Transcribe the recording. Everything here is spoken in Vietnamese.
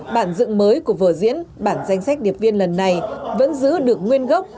bản dựng mới của vở diễn bản danh sách điệp viên lần này vẫn giữ được nguyên gốc